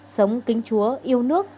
sống kính chúa yêu nước